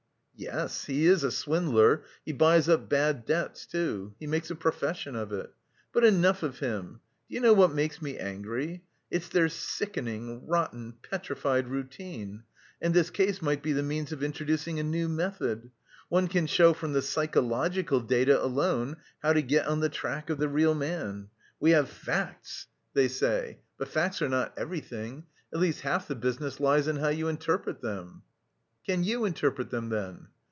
"Yes, he is a swindler. He buys up bad debts, too. He makes a profession of it. But enough of him! Do you know what makes me angry? It's their sickening rotten, petrified routine.... And this case might be the means of introducing a new method. One can show from the psychological data alone how to get on the track of the real man. 'We have facts,' they say. But facts are not everything at least half the business lies in how you interpret them!" "Can you interpret them, then?"